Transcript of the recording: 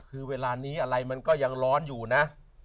คือเวลานี้อะไรมันก็ยังร้อนอยู่นะ